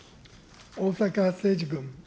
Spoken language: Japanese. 逢坂誠二君。